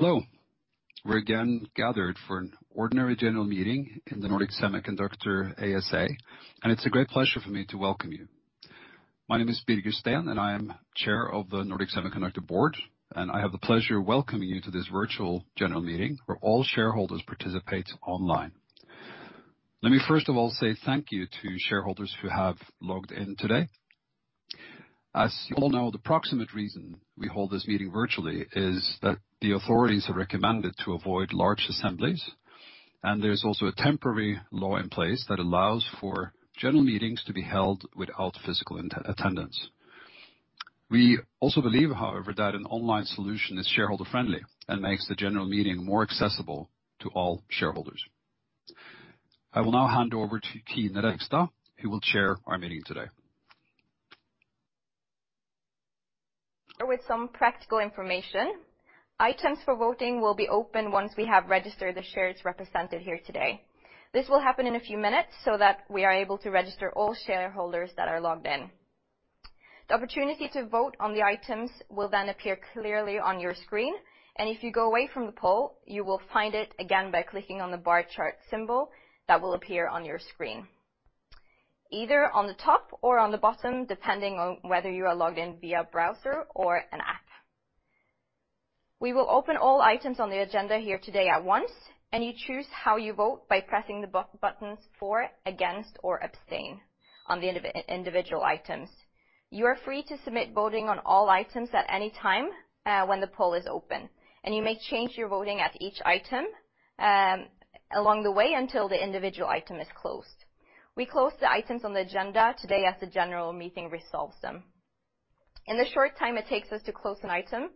Hello. We're again gathered for an ordinary general meeting in Nordic Semiconductor ASA, and it's a great pleasure for me to welcome you. My name is Birger Steen, and I am Chair of the Nordic Semiconductor Board, and I have the pleasure of welcoming you to this virtual general meeting where all shareholders participate online. Let me first of all say thank you to shareholders who have logged in today. As you all know, the proximate reason we hold this meeting virtually is that the authorities have recommended to avoid large assemblies, and there's also a temporary law in place that allows for general meetings to be held without physical attendance. We also believe, however, that an online solution is shareholder-friendly and makes the general meeting more accessible to all shareholders. I will now hand over to Kine Reigstad, who will chair our meeting today. With some practical information, items for voting will be open once we have registered the shares represented here today. This will happen in a few minutes so that we are able to register all shareholders that are logged in. The opportunity to vote on the items will then appear clearly on your screen, and if you go away from the poll, you will find it again by clicking on the bar chart symbol that will appear on your screen, either on the top or on the bottom, depending on whether you are logged in via browser or an app. We will open all items on the agenda here today at once, and you choose how you vote by pressing the buttons for, against, or abstain on the individual items. You are free to submit voting on all items at any time when the poll is open, and you may change your voting at each item along the way until the individual item is closed. We close the items on the agenda today as the general meeting resolves them. In the short time it takes us to close an item,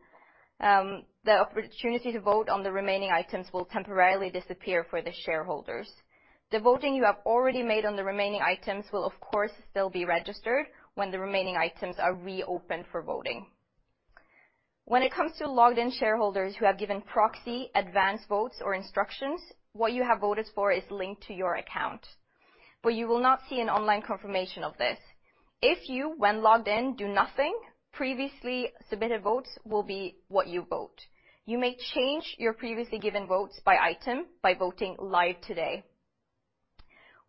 the opportunity to vote on the remaining items will temporarily disappear for the shareholders. The voting you have already made on the remaining items will, of course, still be registered when the remaining items are reopened for voting. When it comes to logged-in shareholders who have given proxy advanced votes or instructions, what you have voted for is linked to your account, but you will not see an online confirmation of this. If you, when logged in, do nothing, previously submitted votes will be what you vote. You may change your previously given votes by item by voting live today.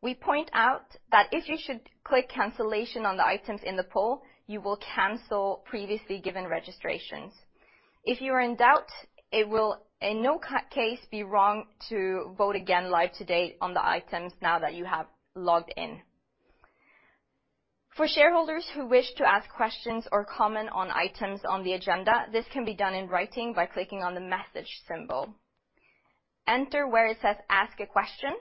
We point out that if you should click cancellation on the items in the poll, you will cancel previously given registrations. If you are in doubt, it will in no case be wrong to vote again live today on the items now that you have logged in. For shareholders who wish to ask questions or comment on items on the agenda, this can be done in writing by clicking on the message symbol. Enter where it says, "Ask a question,"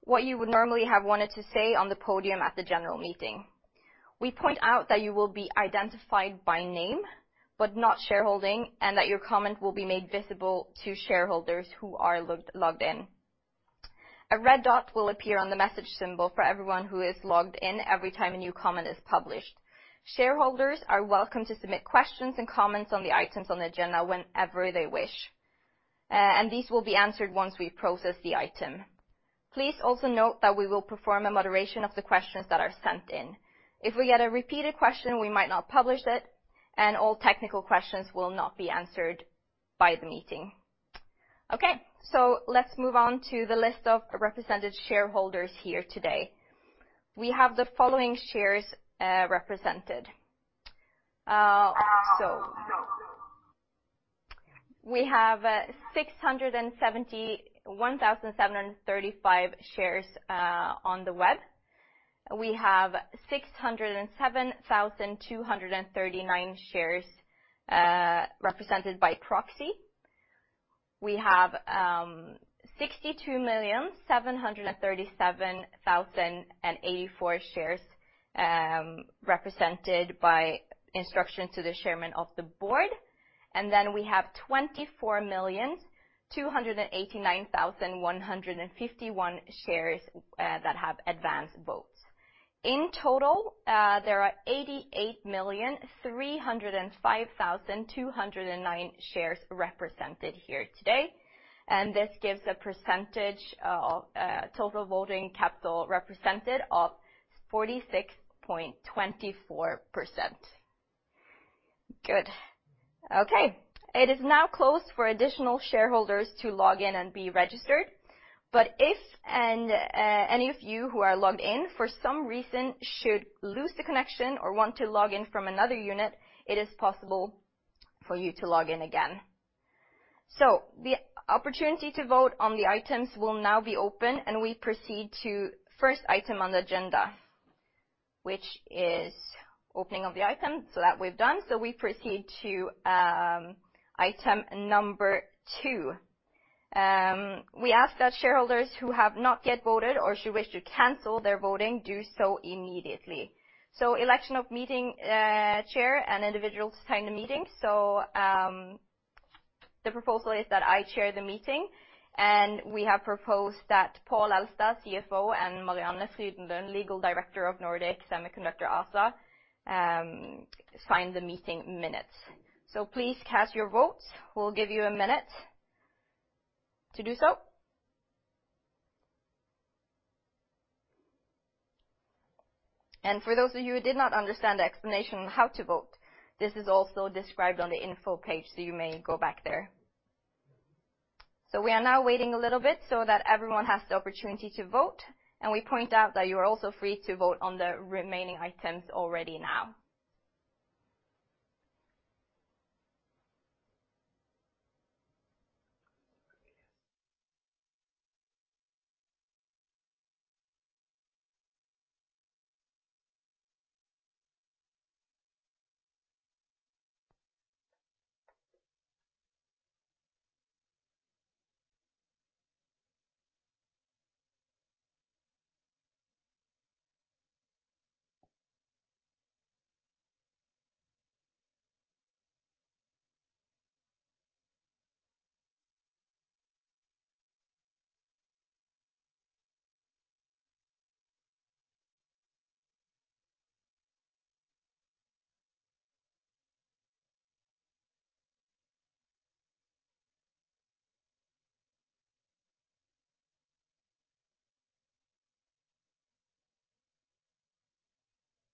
what you would normally have wanted to say on the podium at the general meeting. We point out that you will be identified by name, but not shareholding, and that your comment will be made visible to shareholders who are logged in. A red dot will appear on the message symbol for everyone who is logged in every time a new comment is published. Shareholders are welcome to submit questions and comments on the items on the agenda whenever they wish, and these will be answered once we process the item. Please also note that we will perform a moderation of the questions that are sent in. If we get a repeated question, we might not publish it, and all technical questions will not be answered by the meeting. Okay. Let's move on to the list of represented shareholders here today. We have the following shares represented. We have 1,735 shares on the web. We have 607,239 shares represented by proxy. We have 62,737,084 shares represented by instructions to the chairman of the board, and then we have 24,289,151 shares that have advanced votes. In total, there are 88,305,209 shares represented here today, and this gives a percentage of total voting capital represented of 46.24%. Good. Okay. It is now closed for additional shareholders to log in and be registered, but if any of you who are logged in for some reason should lose the connection or want to log in from another unit, it is possible for you to log in again. The opportunity to vote on the items will now be open, and we proceed to first item on the agenda, which is opening of the item. That we've done. We proceed to item number two. We ask that shareholders who have not yet voted or should wish to cancel their voting, do so immediately. Election of meeting chair and individuals signing the meeting. The proposal is that I chair the meeting, and we have proposed that Pål Elstad, CFO, and Marianne Frydenlund, Legal Director of Nordic Semiconductor ASA, sign the meeting minutes. Please cast your vote. We will give you one minute to do so. For those of you who did not understand the explanation on how to vote, this is also described on the info page, so you may go back there. We are now waiting a little bit so that everyone has the opportunity to vote, and we point out that you are also free to vote on the remaining items already now.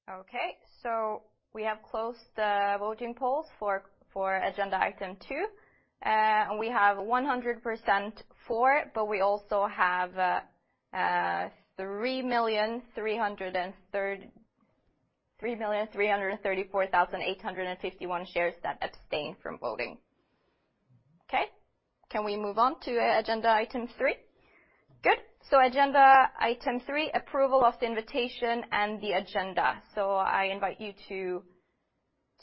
Okay. We have closed the voting polls for agenda item two. We have 100% for it, but we also have 3,334,851 shares that abstained from voting. Okay, can we move on to agenda item three? Good. Agenda item three, approval of the invitation and the agenda. I invite you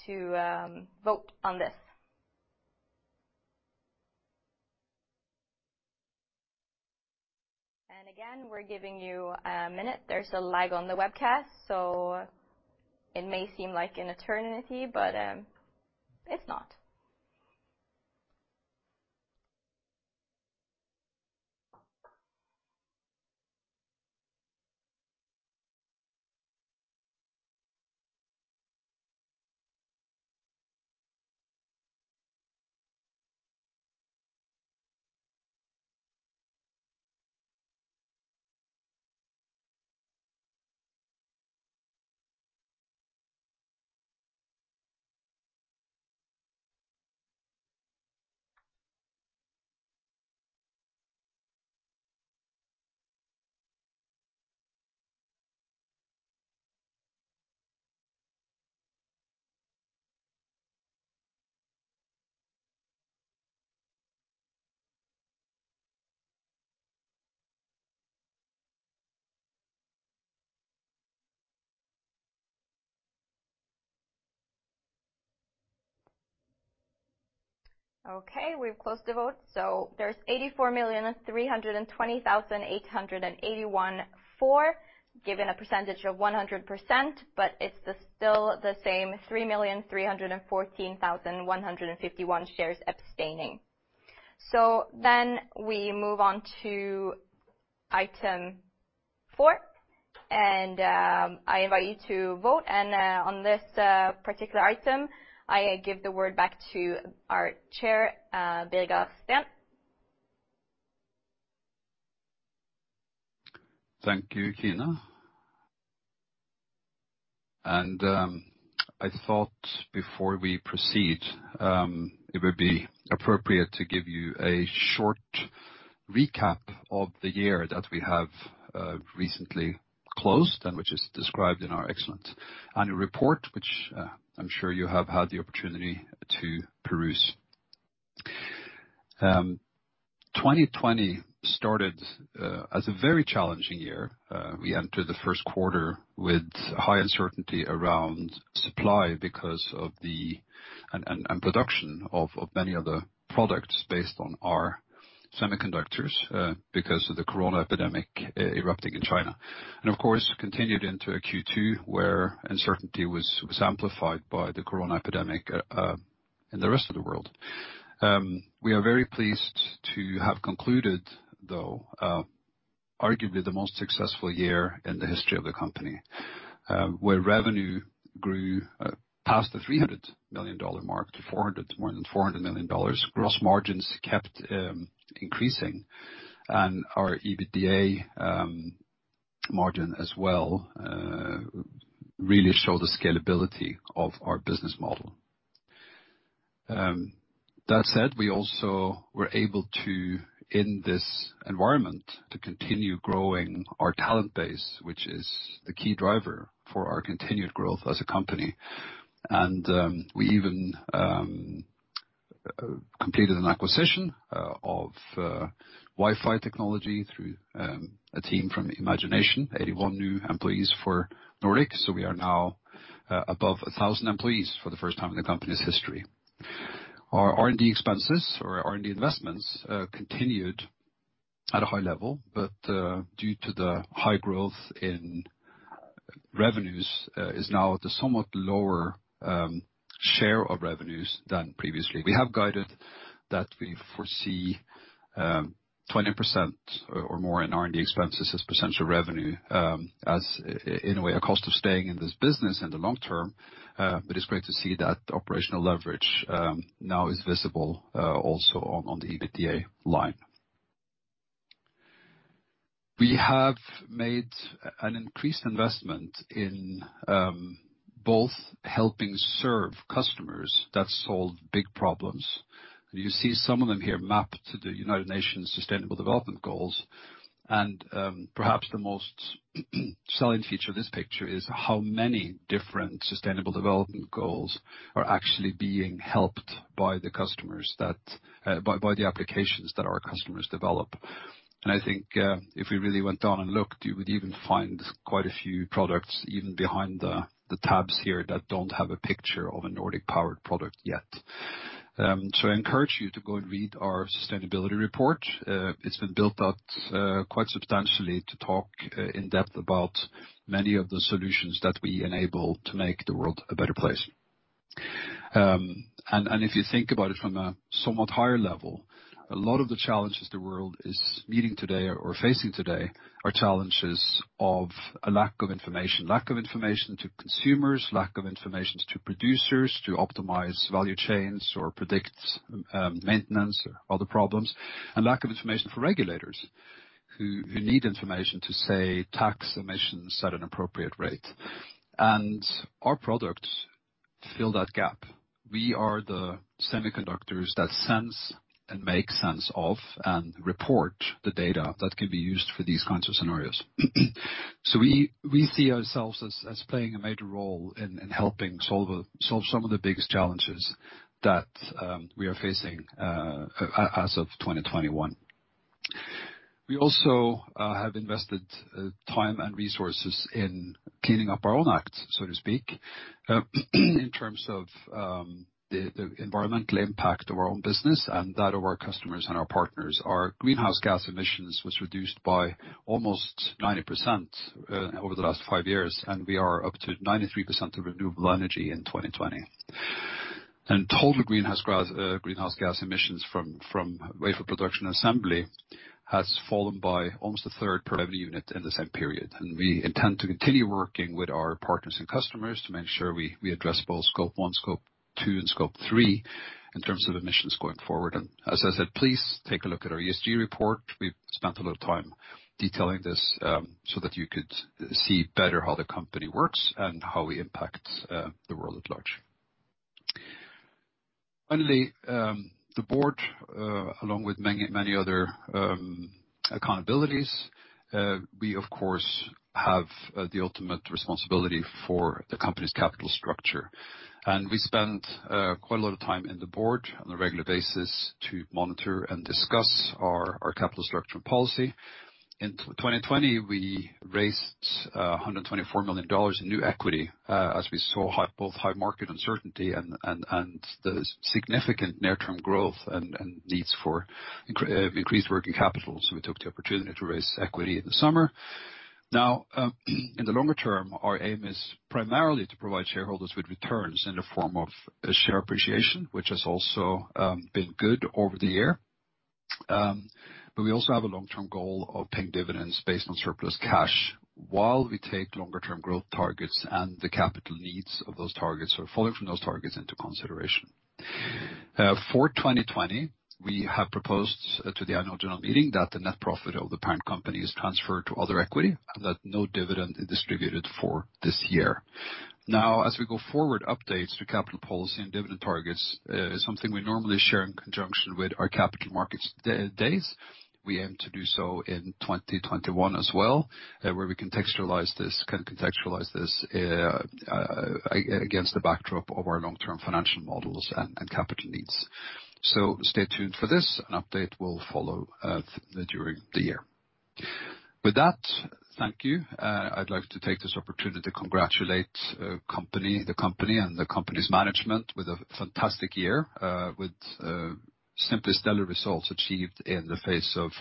to vote on this. Again, we're giving you a minute. There's a lag on the webcast, it may seem like an eternity, but it's not. Okay, we've closed the vote. There's 84,320,881 for, given a percentage of 100%, but it's still the same 3,314,151 shares abstaining. Then we move on to item four, and I invite you to vote. On this particular item, I give the word back to our Chair, Birger Steen. Thank you, Kine. I thought before we proceed, it would be appropriate to give you a short recap of the year that we have recently closed and which is described in our excellent annual report, which I am sure you have had the opportunity to peruse. 2020 started as a very challenging year. We entered the first quarter with high uncertainty around supply and production of many of the products based on our semiconductors because of the corona epidemic erupting in China. Of course, continued into a Q2 where uncertainty was amplified by the corona epidemic in the rest of the world. We are very pleased to have concluded, though, arguably the most successful year in the history of the company, where revenue grew past the $300 million mark to more than $400 million. Gross margins kept increasing, our EBITDA margin as well really show the scalability of our business model. That said, we also were able to, in this environment, to continue growing our talent base, which is the key driver for our continued growth as a company. We even completed an acquisition of Wi-Fi technology through a team from Imagination, 81 new employees for Nordic. We are now above 1,000 employees for the first time in the company's history. Our R&D expenses or R&D investments continued at a high level, but due to the high growth in revenues, is now at a somewhat lower share of revenues than previously. We have guided that we foresee 20% or more in R&D expenses as a percentage of revenue as, in a way, a cost of staying in this business in the long term. It's great to see that operational leverage now is visible also on the EBITDA line. We have made an increased investment in both helping serve customers that solve big problems. You see some of them here mapped to the United Nations Sustainable Development Goals. Perhaps the most selling feature of this picture is how many different sustainable development goals are actually being helped by the applications that our customers develop. I think if we really went down and looked, you would even find quite a few products, even behind the tabs here, that don't have a picture of a Nordic-powered product yet. I encourage you to go and read our sustainability report. It's been built up quite substantially to talk in depth about many of the solutions that we enable to make the world a better place. If you think about it from a somewhat higher level, a lot of the challenges the world is meeting today, or facing today, are challenges of a lack of information. Lack of information to consumers, lack of information to producers to optimize value chains or predict maintenance or other problems, and lack of information for regulators who need information to, say, tax emissions at an appropriate rate. Our products fill that gap. We are the semiconductors that sense and make sense of, and report the data that can be used for these kinds of scenarios. We see ourselves as playing a major role in helping solve some of the biggest challenges that we are facing as of 2021. We also have invested time and resources in cleaning up our own act, so to speak, in terms of the environmental impact of our own business and that of our customers and our partners. Our greenhouse gas emissions was reduced by almost 90% over the last five years. We are up to 93% of renewable energy in 2020. Total greenhouse gas emissions from wafer production assembly has fallen by almost a third per revenue unit in the same period. We intend to continue working with our partners and customers to make sure we address both Scope 1, Scope 2, and Scope 3 in terms of emissions going forward. As I said, please take a look at our ESG report. We've spent a lot of time detailing this so that you could see better how the company works and how we impact the world at large. Finally, the board, along with many other accountabilities, we of course have the ultimate responsibility for the company's capital structure. We spent quite a lot of time in the board on a regular basis to monitor and discuss our capital structure and policy. In 2020, we raised $124 million in new equity, as we saw both high market uncertainty and the significant near-term growth and needs for increased working capital. We took the opportunity to raise equity in the summer. Now, in the longer term, our aim is primarily to provide shareholders with returns in the form of share appreciation, which has also been good over the year. We also have a long-term goal of paying dividends based on surplus cash while we take longer term growth targets and the capital needs of those targets, or following from those targets into consideration. For 2020, we have proposed to the annual general meeting that the net profit of the parent company is transferred to other equity, and that no dividend is distributed for this year. As we go forward, updates to capital policy and dividend targets is something we normally share in conjunction with our capital markets days. We aim to do so in 2021 as well, where we can contextualize this against the backdrop of our long-term financial models and capital needs. Stay tuned for this. An update will follow during the year. With that, thank you. I'd like to take this opportunity to congratulate the company and the company's management with a fantastic year, with simply stellar results achieved in the face of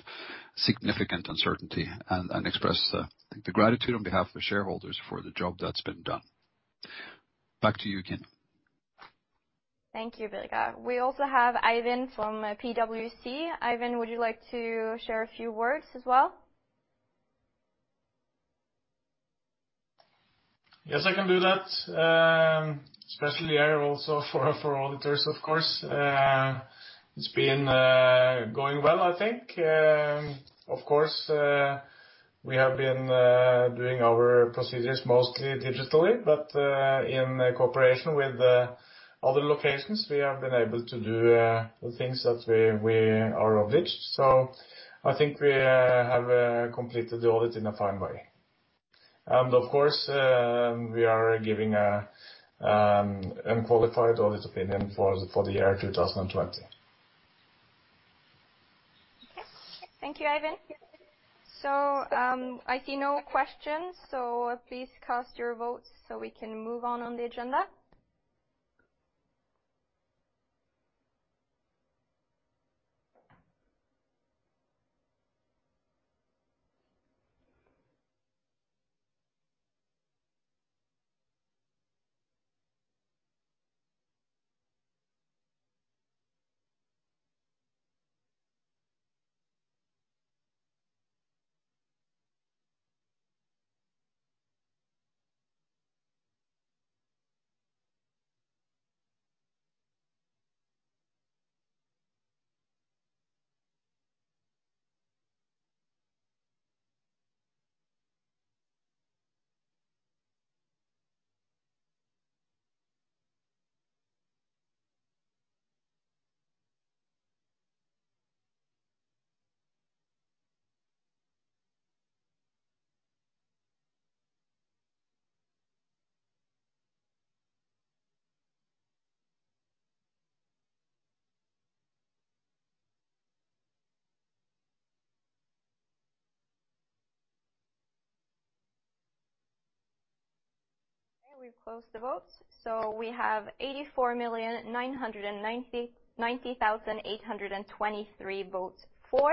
significant uncertainty, and express the gratitude on behalf of the shareholders for the job that's been done. Back to you, Kine. Thank you, Birger. We also have Eivind from PwC. Eivind, would you like to share a few words as well? Yes, I can do that. Especially also for auditors, of course. It's been going well, I think. Of course, we have been doing our procedures mostly digitally, but in cooperation with the other locations, we have been able to do the things that we are obliged. I think we have completed the audit in a fine way. Of course, we are giving an unqualified audit opinion for the year 2020. Thank you, Eivind. I see no questions. Please cast your votes so we can move on the agenda. We've closed the votes. We have 84,990,823 votes for,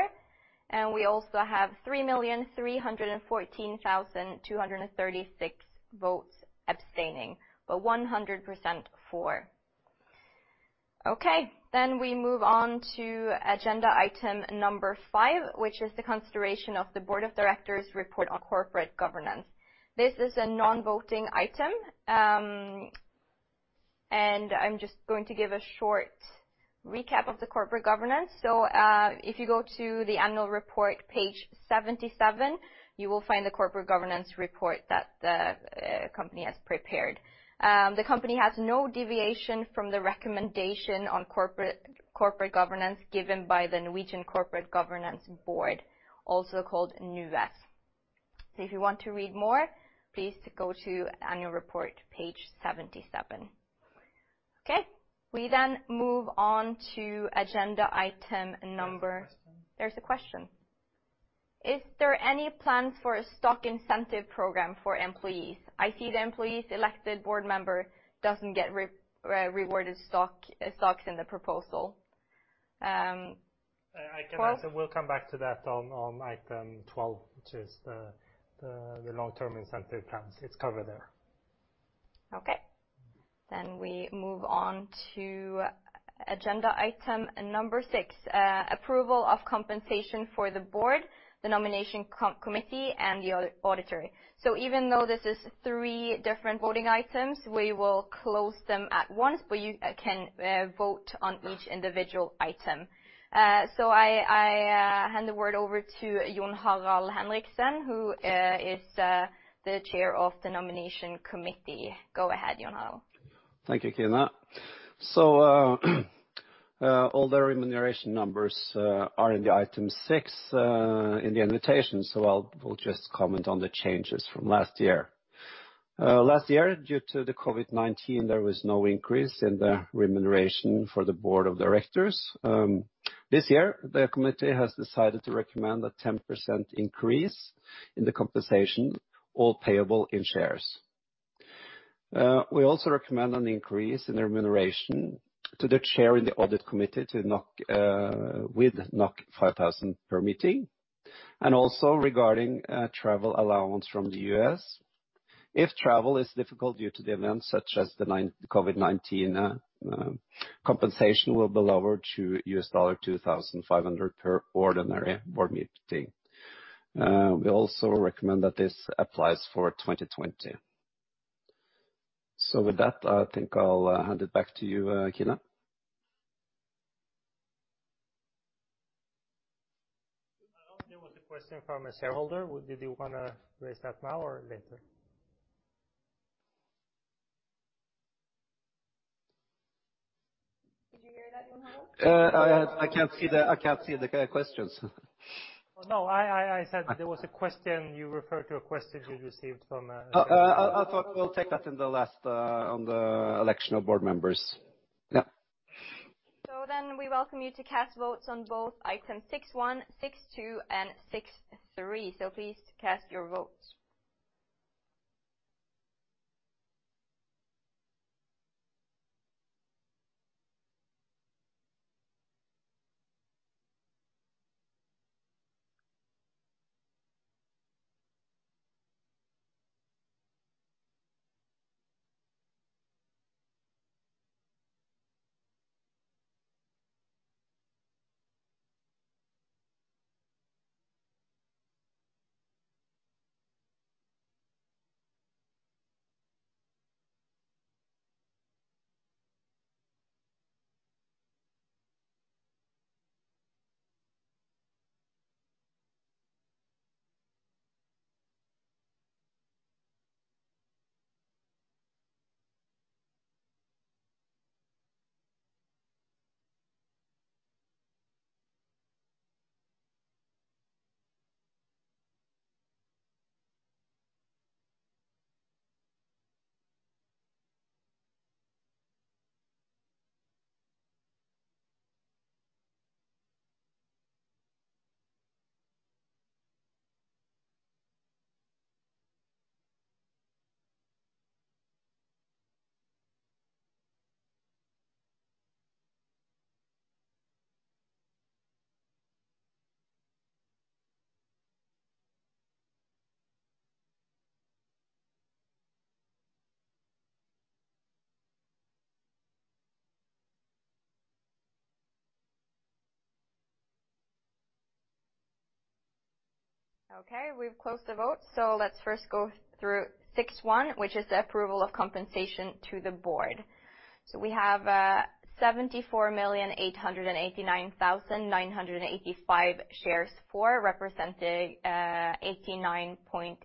and we also have 3,314,236 votes abstaining. 100% for. We move on to agenda item number five, which is the consideration of the board of directors report on corporate governance. This is a non-voting item. I'm just going to give a short recap of the corporate governance. If you go to the annual report, page 77, you will find the corporate governance report that the company has prepared. The company has no deviation from the recommendation on corporate governance given by the Norwegian Corporate Governance Board, also called NUES. If you want to read more, please go to annual report, page 77. We move on to agenda item number- There's a question. There's a question. Is there any plans for a stock incentive program for employees? I see the employees elected board member doesn't get rewarded stocks in the proposal. I can answer. We'll come back to that on item 12, which is the long-term incentive plans. It's covered there. We move on to agenda item number six, approval of compensation for the Board, the Nomination Committee, and the auditor. Even though this is three different voting items, we will close them at once, but you can vote on each individual item. I hand the word over to John Harald Henriksen, who is the Chair of the Nomination Committee. Go ahead, John Harald. Thank you, Kine. All the remuneration numbers are in the item six in the invitation, I'll just comment on the changes from last year. Last year, due to the COVID-19, there was no increase in the remuneration for the board of directors. This year, the committee has decided to recommend a 10% increase in the compensation, all payable in shares. We also recommend an increase in the remuneration to the chair in the audit committee with NOK 5,000 per meeting, and also regarding travel allowance from the U.S. If travel is difficult due to the events such as the COVID-19, compensation will be lowered to $2,500 per ordinary board meeting. We also recommend that this applies for 2020. With that, I think I'll hand it back to you, Kine. There was a question from a shareholder. Did you want to raise that now or later? Did you hear that, John Harald? I can't see the questions. No. I said there was a question, you referred to a question you received from. We'll take that in the last, on the election of board members. Yeah. We welcome you to cast votes on both item 6.1, 6.2, and 6.3. Please cast your votes. Okay, we've closed the vote. Let's first go through 6.1, which is the approval of compensation to the Board. We have 74,889,985 shares for, representing 89.2%.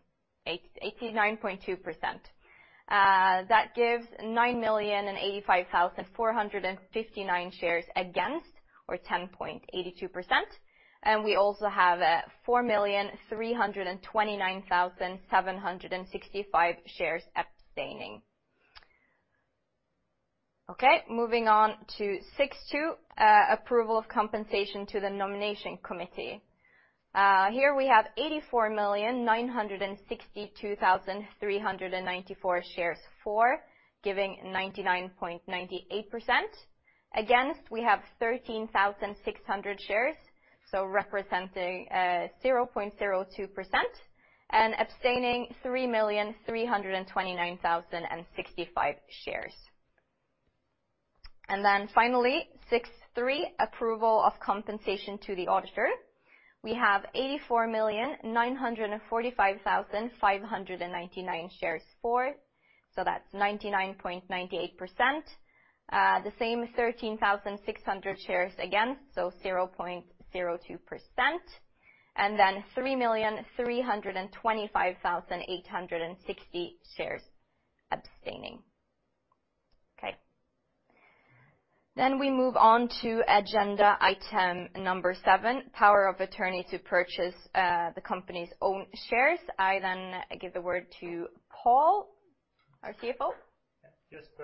That gives 9,085,459 shares against, or 10.82%, and we also have 4,329,765 shares abstaining. Okay, moving on to 6.2, approval of compensation to the Nomination Committee. Here we have 84,962,394 shares for, giving 99.98%. Against, we have 13,600 shares, so representing 0.02%, and abstaining 3,329,065 shares. Finally, 6.3, approval of compensation to the auditor. We have 84,945,599 shares for, so that's 99.98%. The same 13,600 shares against, so 0.02%, and then 3,325,860 shares abstaining. Okay. We move on to agenda item number seven, power of attorney to purchase the company's own shares. I give the word to Pål, our CFO. Just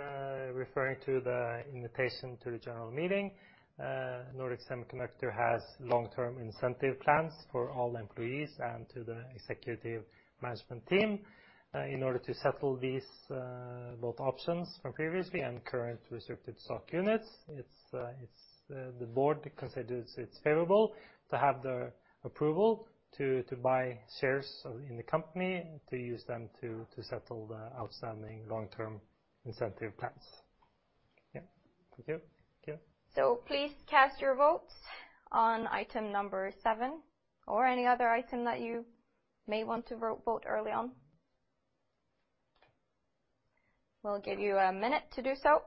referring to the invitation to the general meeting. Nordic Semiconductor has long-term incentive plans for all employees and to the executive management team. In order to settle both options from previously and current restricted stock units, the board considers it favorable to have the approval to buy shares in the company to use them to settle the outstanding long-term incentive plans. Yeah. Thank you. Please cast your votes on item number seven or any other item that you may want to vote early on. We'll give you a minute to do so.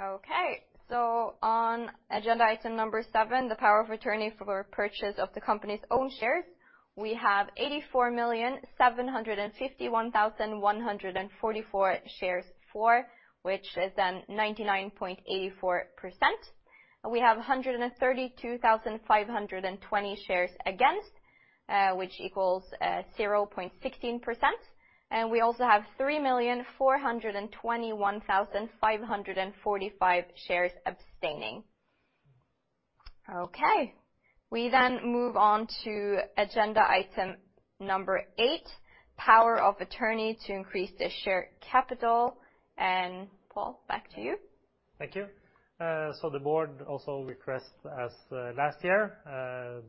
Okay. On agenda item number seven, the power of attorney for purchase of the company's own shares, we have 84,751,144 shares for, which is then 99.84%, and we have 132,520 shares against, which equals 0.16%, and we also have 3,421,545 shares abstaining. Okay. We move on to agenda item number eight, power of attorney to increase the share capital. Pål, back to you. Thank you. The board also requests, as last year,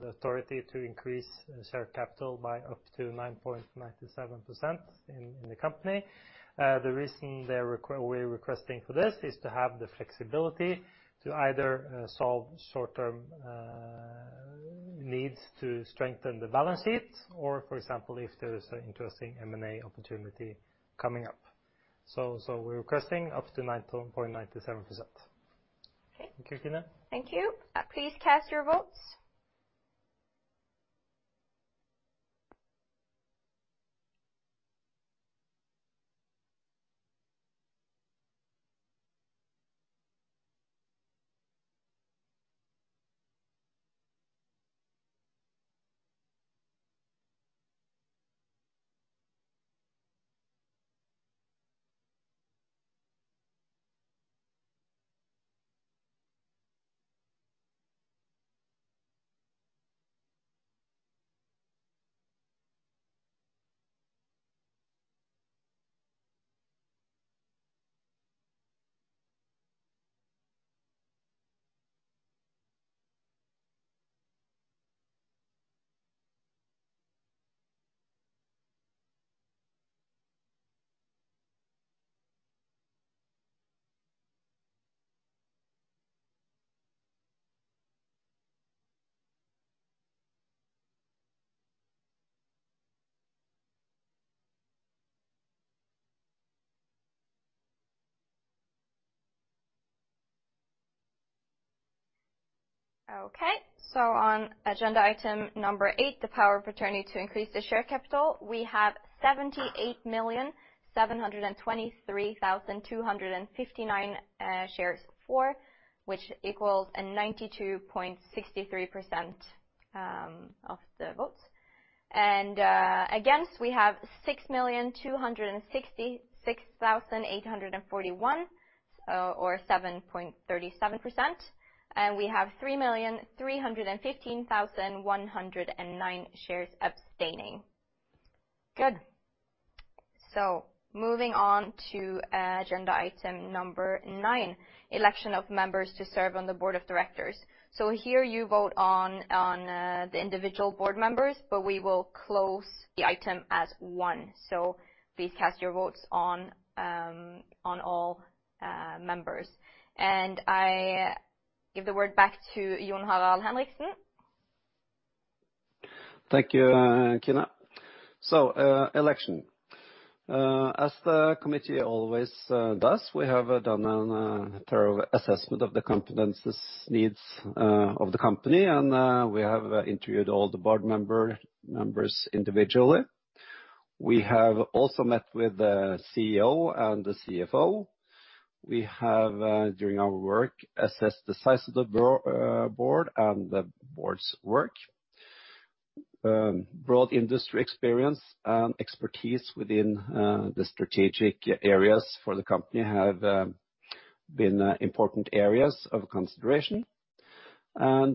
the authority to increase share capital by up to 9.97% in the company. The reason we're requesting for this is to have the flexibility to either solve short-term needs to strengthen the balance sheet or, for example, if there is an interesting M&A opportunity coming up. We're requesting up to 9.97%. Okay. Thank you, Kine. Thank you. Please cast your votes. On agenda item number eight, the power of attorney to increase the share capital, we have 78,723,259 shares for, which equals a 92.63% of the votes. Against, we have 6,266,841, or 7.37%, and we have 3,315,109 shares abstaining. Moving on to agenda item number nine, election of members to serve on the board of directors. Here you vote on the individual board members, but we will close the item as one. Please cast your votes on all members. I give the word back to John Harald Henriksen. Thank you, Kine. Election. As the committee always does, we have done a thorough assessment of the competence needs of the company, and we have interviewed all the board members individually. We have also met with the CEO and the CFO. We have, during our work, assessed the size of the board and the board's work. Broad industry experience and expertise within the strategic areas for the company have been important areas of consideration.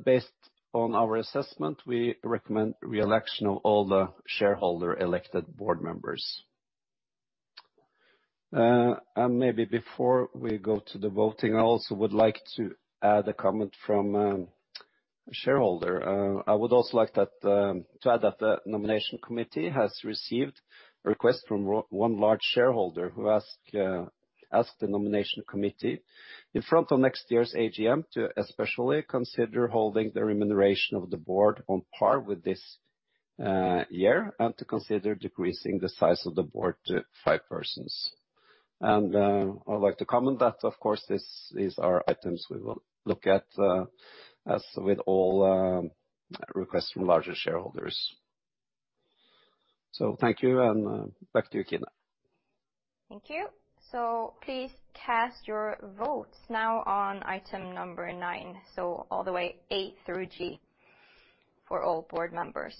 Based on our assessment, we recommend re-election of all the shareholder elected board members. Maybe before we go to the voting, I also would like to add a comment from a shareholder. I would also like to add that the Nomination Committee has received a request from one large shareholder who asked the Nomination Committee in front of next year's AGM to especially consider holding the remuneration of the board on par with this year and to consider decreasing the size of the board to five persons. I would like to comment that, of course, these are items we will look at, as with all requests from larger shareholders. Thank you, and back to you, Kine. Thank you. Please cast your votes now on item number nine. All the way A through G for all board members.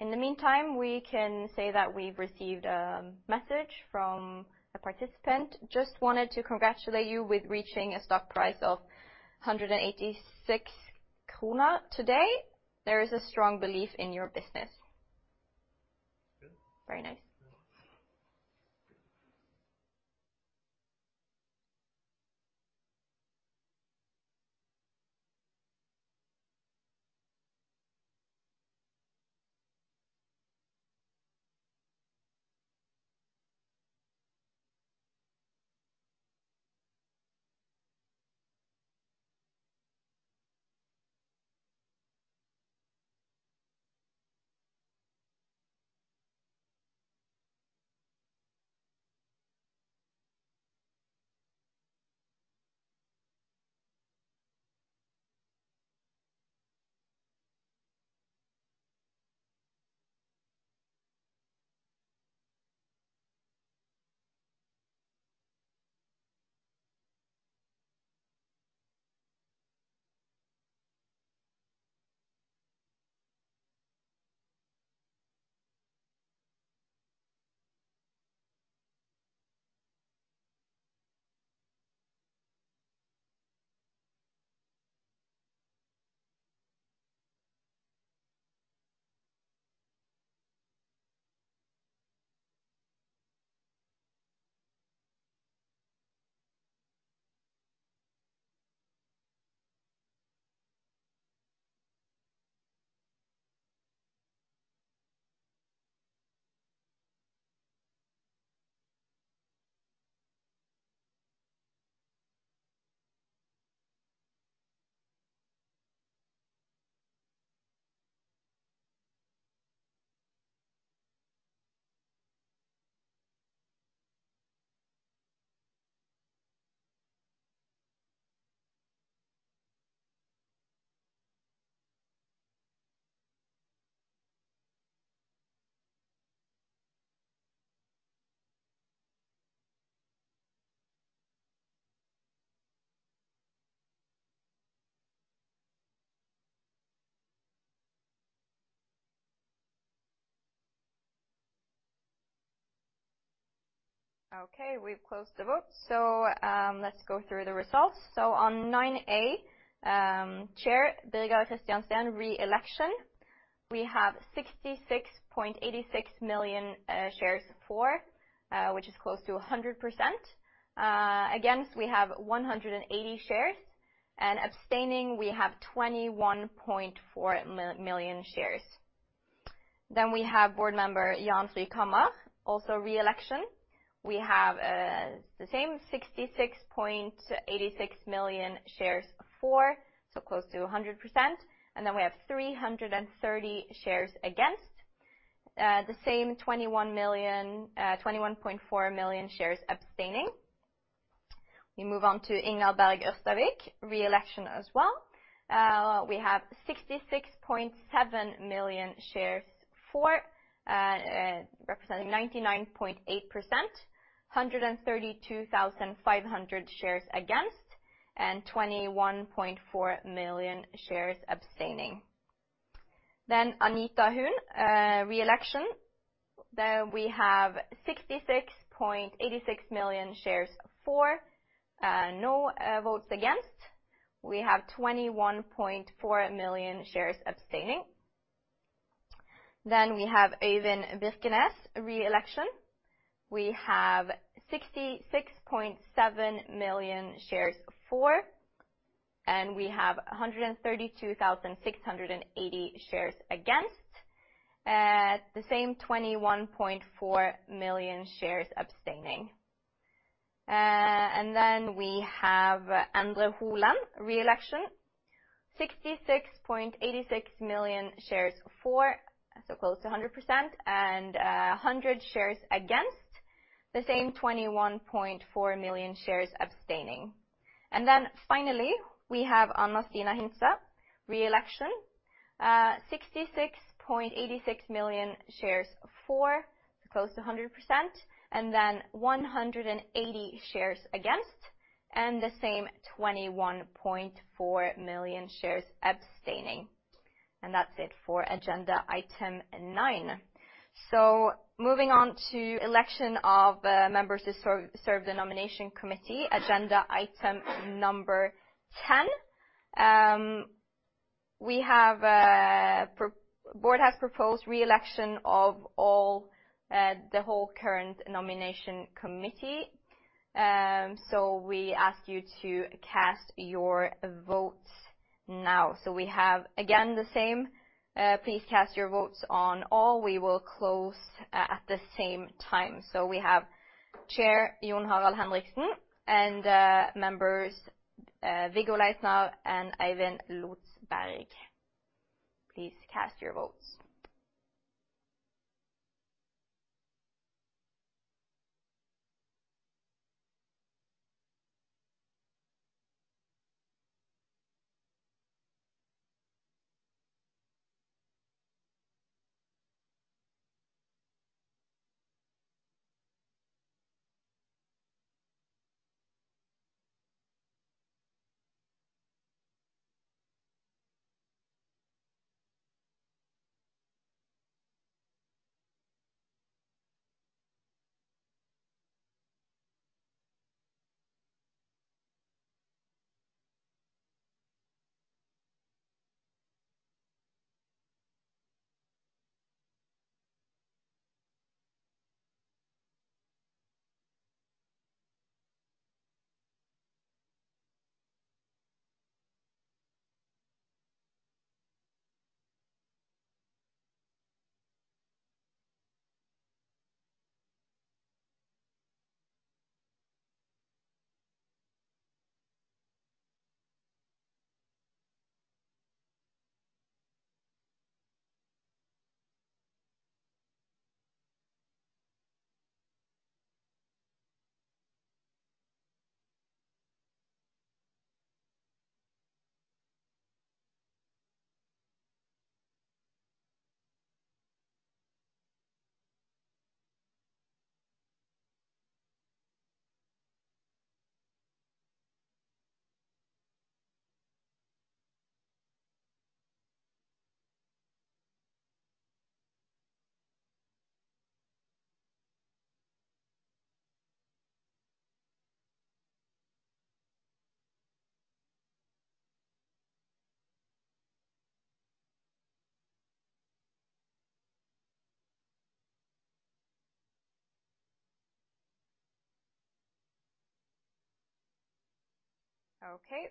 In the meantime, we can say that we've received a message from a participant. Just wanted to congratulate you with reaching a stock price of 186 krone today. There is a strong belief in your business. Good. Very nice. Okay, we've closed the vote. Let's go through the results. On 9A, Chair Birger Steen re-election, we have 66.86 million shares for, which is close to 100%. Against, we have 180 shares. Abstaining, we have 21.4 million shares. We have Board Member Jan Frykhammar, also re-election. We have the same 66.86 million shares for, close to 100%, we have 330 shares against. The same 21.4 million shares abstaining. We move on to Inger Berg Ørstavik, re-election as well. We have 66.7 million shares for, representing 99.8%, 132,500 shares against, 21.4 million shares abstaining. Anita Huun, re-election. There we have 66.86 million shares for, no votes against. We have 21.4 million shares abstaining. We have Øyvind Birkenes, re-election. We have 66.7 million shares for, we have 132,680 shares against. The same 21.4 million shares abstaining. We have Endre Holen, re-election. 66.86 million shares for, close to 100%, and 100 shares against. The same 21.4 million shares abstaining. Finally, we have Annastiina Hintsa, re-election. 66.86 million shares for, close to 100%, 180 shares against, and the same 21.4 million shares abstaining. That's it for agenda item nine. Moving on to election of members to serve the Nomination Committee, agenda item number 10. Board has proposed re-election of the whole current Nomination Committee. We ask you to cast your votes now. We have, again, the same. Please cast your votes on all. We will close at the same time. We have Chair John Harald Henriksen, and members Viggo Leisner and Eivind Lotsberg. Please cast your votes.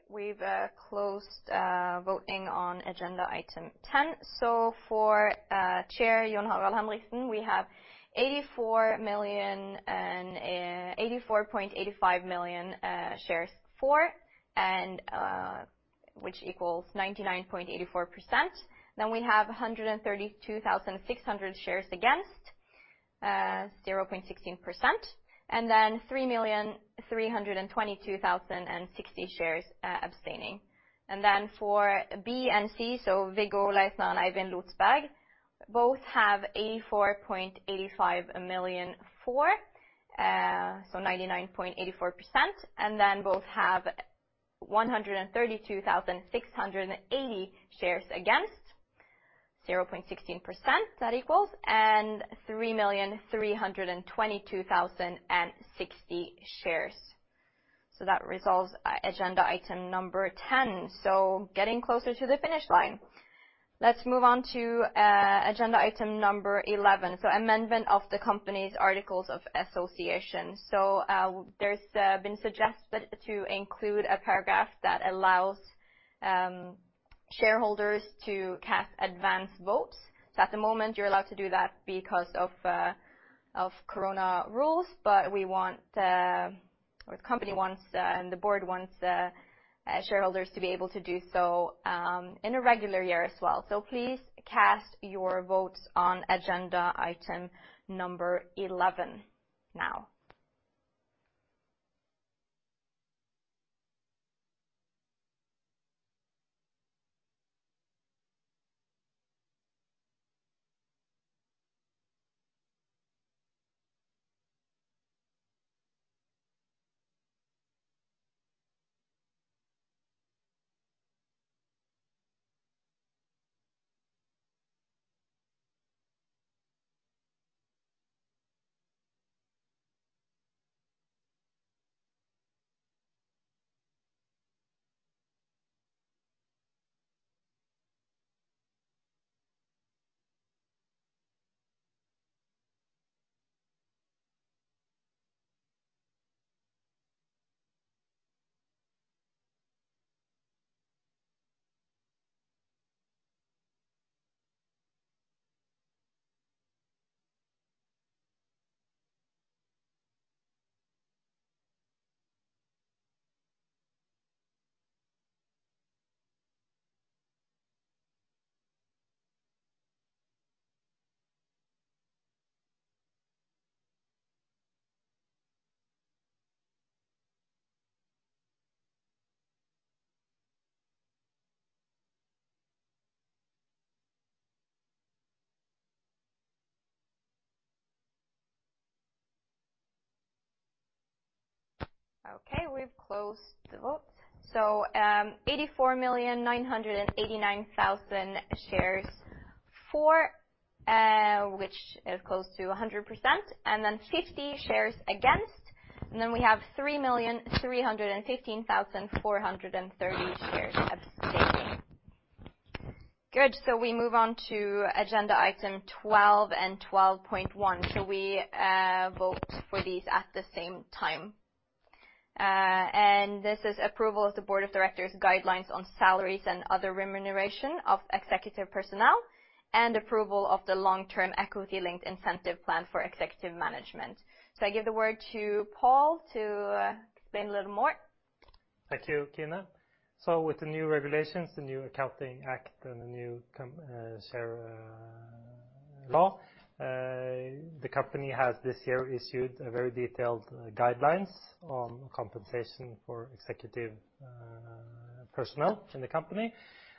We've closed voting on agenda item 10. For Chair, John Harald Henriksen, we have 84.85 million shares for, which equals 99.84%. We have 132,600 shares against, 0.16%, 3,322,060 shares abstaining. For B and C, Viggo Leisner and Eivind Lotsberg, both have 84.85 million for, 99.84%, both have 132,680 shares against, 0.16% that equals, and 3,322,060 shares. That resolves agenda item number 10. Getting closer to the finish line. Let's move on to agenda item number 11. Amendment of the company's articles of association. There's been suggested to include a paragraph that allows shareholders to cast advance votes. At the moment, you're allowed to do that because of corona rules, but the company wants, and the board wants, shareholders to be able to do so in a regular year as well. Please cast your votes on agenda item number 11 now. Okay, we've closed the vote. 84,989,000 shares for, which is close to 100%, 50 shares against, we have 3,315,430 shares abstaining. Good. We move on to agenda item 12 and 12.1. We vote for these at the same time. This is approval of the board of directors' guidelines on salaries and other remuneration of executive personnel, and approval of the long-term equity linked incentive plan for executive management. I give the word to Pål to explain a little more. Thank you, Kine. With the new regulations, the new accounting act, and the new share law, the company has this year issued a very detailed guidelines on compensation for executive personnel in the company.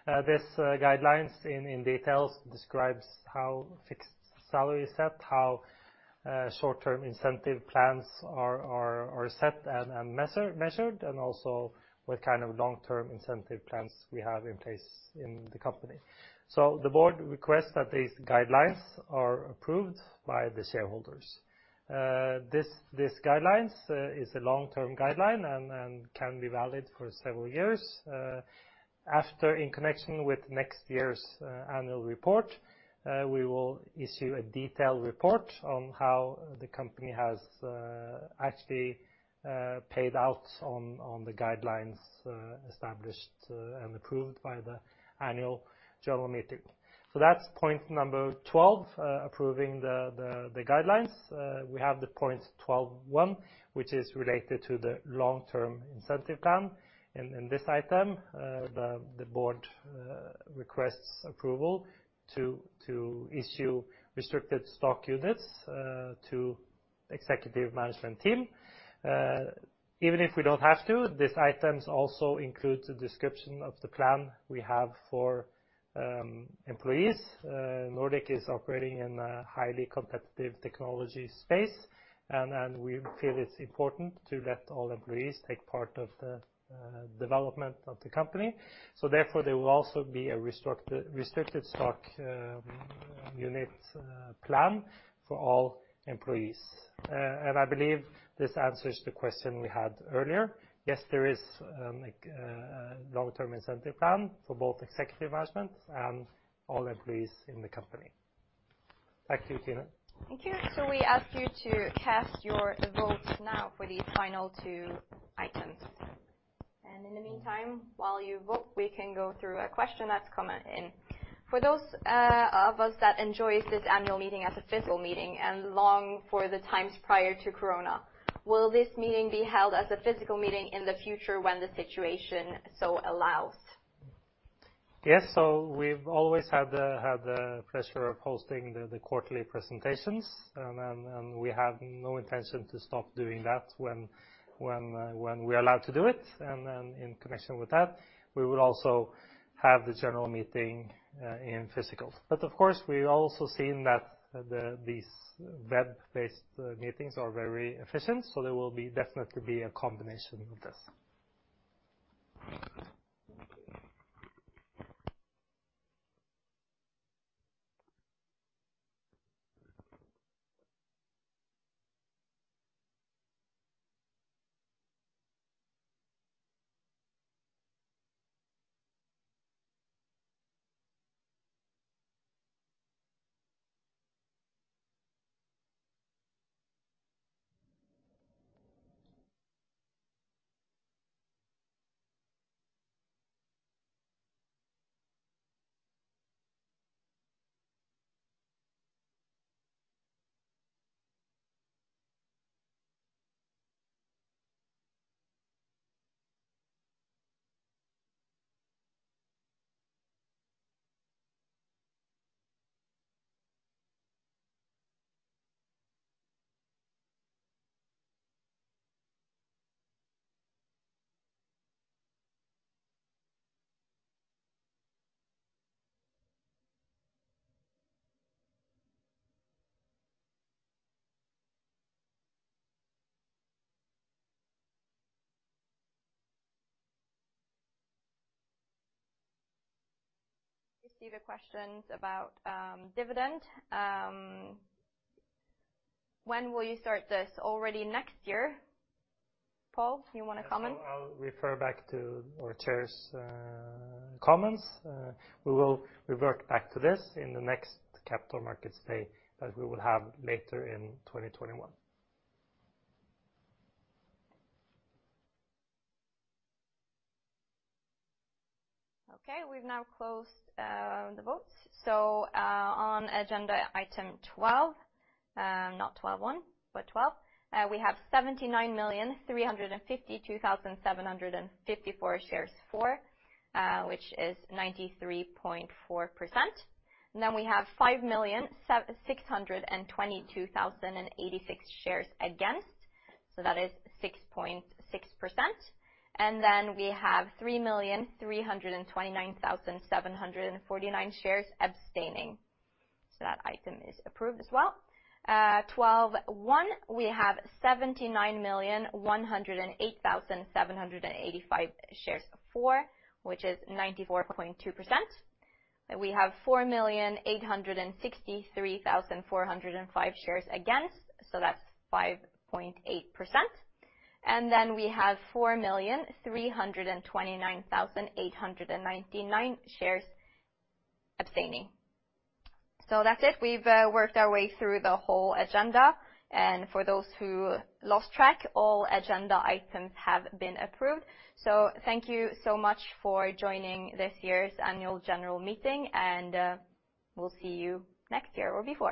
These guidelines in detail describe how fixed salary is set, how short-term incentive plans are set and measured, and also what kind of long-term incentive plans we have in place in the company. The board requests that these guidelines are approved by the shareholders. These guidelines is a long-term guideline and can be valid for several years. After in connection with next year's annual report, we will issue a detailed report on how the company has actually paid out on the guidelines established and approved by the annual general meeting. That's point number 12, approving the guidelines. We have the point 12.1, which is related to the long-term incentive plan. In this item, the board requests approval to issue restricted stock units to executive management team. Even if we don't have to, these items also include a description of the plan we have for employees. Nordic is operating in a highly competitive technology space, and we feel it's important to let all employees take part of the development of the company. Therefore, there will also be a restricted stock unit plan for all employees. I believe this answers the question we had earlier. Yes, there is a long-term incentive plan for both executive management and all employees in the company. Thank you, Kine. Thank you. We ask you to cast your votes now for the final two items. In the meantime, while you vote, we can go through a question that's come in. For those of us that enjoy this annual meeting as a physical meeting and long for the times prior to corona, will this meeting be held as a physical meeting in the future when the situation so allows? Yes. We've always had the pleasure of hosting the quarterly presentations, and we have no intention to stop doing that when we're allowed to do it. In connection with that, we will also have the general meeting in physical. Of course, we've also seen that these web-based meetings are very efficient, so there will definitely be a combination of this. I see the questions about dividend. When will you start this? Already next year. Pål, you want to comment? I'll refer back to our chair's comments. We will revert back to this in the next capital markets day that we will have later in 2021. We've now closed the votes. On agenda item 12, not 12.1, but 12, we have 79,352,754 shares for, which is 93.4%. We have 5,622,086 shares against, so that is 6.6%. We have 3,329,749 shares abstaining. That item is approved as well. 12.1, we have 79,108,785 shares for, which is 94.2%. We have 4,863,405 shares against, so that's 5.8%. We have 4,329,899 shares abstaining. That's it. We've worked our way through the whole agenda. For those who lost track, all agenda items have been approved. Thank you so much for joining this year's Annual General Meeting, and we'll see you next year or before.